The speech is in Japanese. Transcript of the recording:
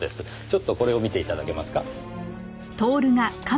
ちょっとこれを見ていただけますか。